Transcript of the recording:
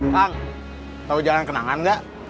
kang tahu jalan kenangan nggak